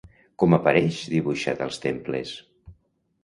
Com apareix dibuixat als temples?